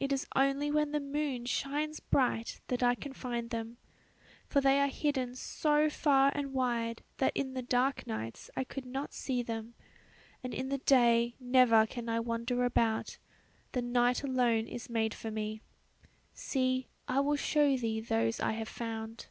It is only when the moon shines bright that I can find them, for they are hidden so far and wide that in the dark nights I could not see them, and in the day never can I wander about, the night alone is made for me. See, I will show thee those I have found."